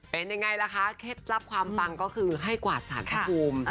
เป็นยังไงล่ะคะเทปรับความฟังก็คือให้กวาดสระถปูม